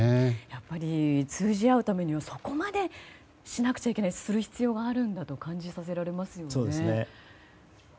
やっぱり通じ合うためにはそこまでしなくちゃいけないする必要があるんだと感じさせられますよね。